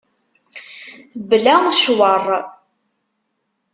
Bla ccwer.